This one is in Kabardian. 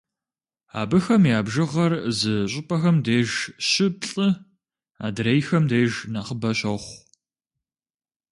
Абыхэм я бжыгъэр зы щӏыпӏэхэм деж щы-плӏы, адрейхэм деж нэхъыбэ щохъу.